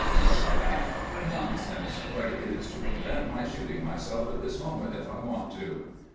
Murray laughed. "Nonsense! What is to prevent my shooting myself at this moment, if I want to?"